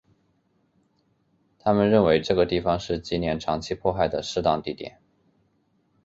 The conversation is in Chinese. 他们认为这个地方是纪念长期迫害的适当地点。